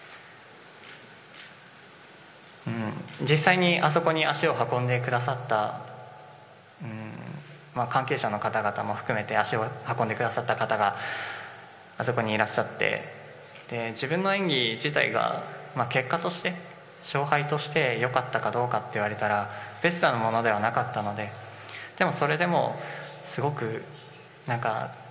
実際にあそこに足を運んでくださった関係者の方々も含めて足を運んでくださった方があそこにいらっしゃって自分の演技自体が結果として、勝敗として良かったかどうかと言われたらベストなものではなかったのででも、それでもすごく。